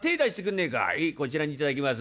「へいこちらに頂きます」。